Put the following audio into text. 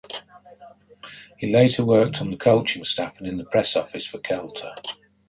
He later worked on the coaching staff and in the press office for Celta.